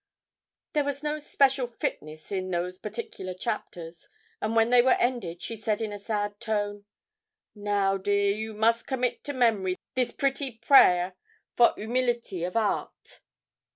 There was no special fitness in those particular chapters, and when they were ended she said in a sad tone 'Now, dear, you must commit to memory this pretty priaire for umility of art.'